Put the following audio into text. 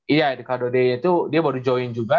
iya dekado day itu dia baru join juga